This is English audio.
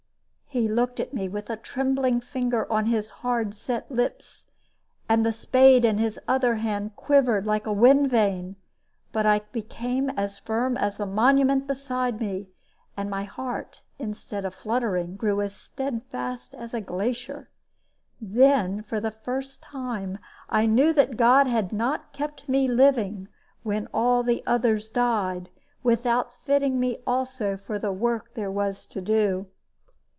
He looked at me, with a trembling finger upon his hard set lips, and the spade in his other hand quivered like a wind vane; but I became as firm as the monument beside me, and my heart, instead of fluttering, grew as steadfast as a glacier. Then, for the first time, I knew that God had not kept me living, when all the others died, without fitting me also for the work there was to do.